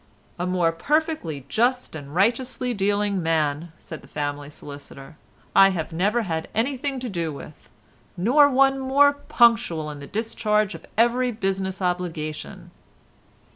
"A more perfectly just and righteously dealing man," said the family solicitor, "I have never had anything to do with—nor one more punctual in the discharge of every business obligation."